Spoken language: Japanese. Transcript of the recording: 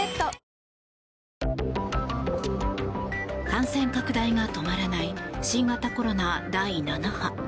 感染拡大が止まらない新型コロナ第７波。